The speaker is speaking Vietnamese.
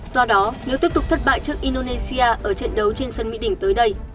do đó nếu tiếp tục thất bại trước indonesia ở trận đấu trên sân mỹ đình tới đây